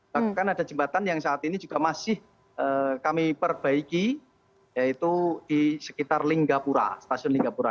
bahkan ada jembatan yang saat ini juga masih kami perbaiki yaitu di sekitar linggapura stasiun linggapura